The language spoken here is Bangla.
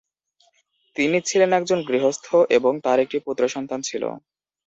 তিনি ছিলেন একজন গৃহস্থ এবং তার একটি পুত্র সন্তান ছিল।